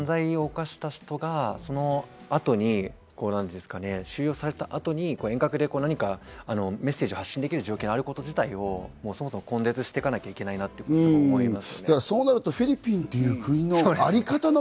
犯罪を犯した人がその後に収容された後に遠隔で何かメッセージを発信できる状況があること自体を、そのもとを根絶していかないといけないなと思います。